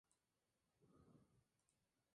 Es el redactor jefe del "Daily Planet" de Metrópolis.